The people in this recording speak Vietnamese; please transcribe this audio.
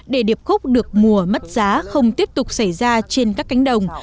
để điệp khúc được mùa mất giá không tiếp tục xảy ra trên các cánh đồng